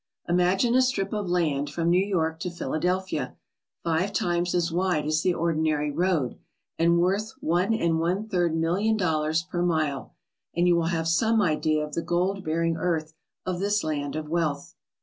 Imagine a strip of land from New York to Phila delphia, five times as wide as the ordinary road, and worth one and one third million dollars per mile, and you will have some idea of the gold bearing earth of this land of wealth.